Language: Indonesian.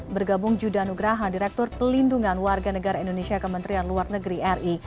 bergabung judah nugraha direktur pelindungan warga negara indonesia kementerian luar negeri ri